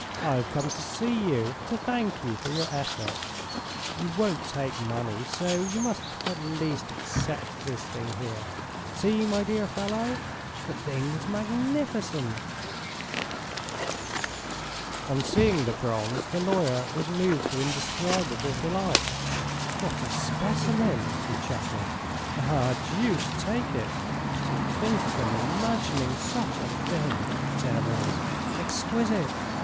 "I've come to see you ... to thank you for your efforts. ... You won't take money so you must at least accept this thing here. ... See, my dear fellow. ... The thing is magnificent!" On seeing the bronze the lawyer was moved to indescribable delight. "What a specimen!" he chuckled. "Ah, deuce take it, to think of them imagining such a thing, the devils! Exquisite!